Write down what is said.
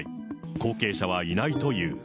後継者はいないという。